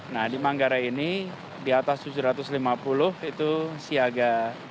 nah di manggarai ini di atas tujuh ratus lima puluh itu siaga